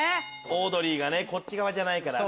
オードリーがねこっち側じゃないから。